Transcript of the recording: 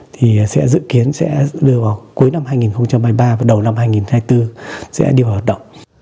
thì sẽ dự kiến sẽ đưa vào cuối năm hai nghìn hai mươi ba và đầu năm hai nghìn hai mươi bốn sẽ đi vào hoạt động